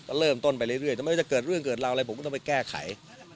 ก็เริ่มต้นไปเรื่อยทำไมจะเกิดเรื่องเกิดราวอะไรผมก็ต้องไปแก้ไข